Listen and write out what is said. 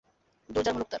জোর যার মুলুক তার।